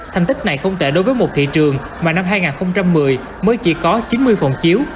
thành tích này không tệ đối với một thị trường mà năm hai nghìn một mươi mới chỉ có chín mươi phòng chiếu